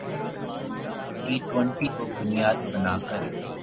T twenty کو بنیاد بنا کر